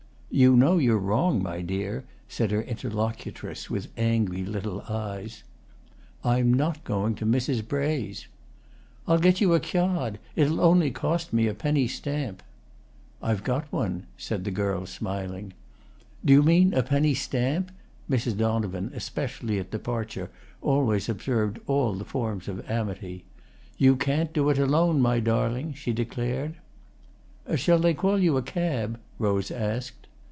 "You know you're wrong, my dear," said her interlocutress, with angry little eyes. "I'm not going to Mrs. Bray's." "I'll get you a kyard; it'll only cost me a penny stamp." "I've got one," said the girl, smiling. "Do you mean a penny stamp?" Mrs. Donovan, especially at departure, always observed all the forms of amity. "You can't do it alone, my darling," she declared. "Shall they call you a cab?" Rose asked.